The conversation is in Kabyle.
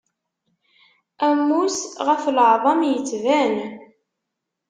Ammus ɣef leεḍam yettban.